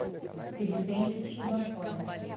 De repente chuva forte